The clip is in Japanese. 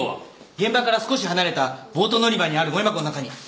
現場から少し離れたボート乗り場にあるごみ箱の中に。